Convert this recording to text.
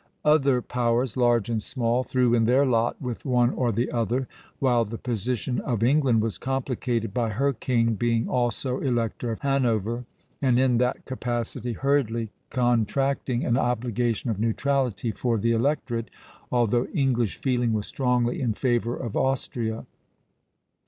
Other powers, large and small, threw in their lot with one or the other; while the position of England was complicated by her king being also elector of Hanover, and in that capacity hurriedly contracting an obligation of neutrality for the electorate, although English feeling was strongly in favor of Austria.